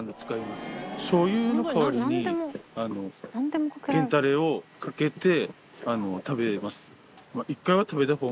しょう油の代わりに源たれをかけて食べます。